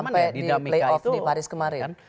sampai di lay off di paris kemarin